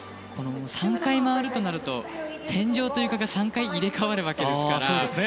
３回、回るとなると天井と床が３回、入れ替わるわけですから。